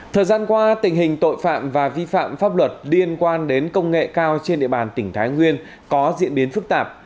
thời gian qua tình hình tội phạm và vi phạm pháp luật liên quan đến công nghệ cao trên địa bàn tỉnh thái nguyên có diễn biến phức tạp